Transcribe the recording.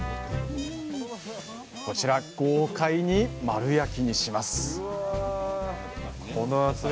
こちら豪快に丸焼きにします！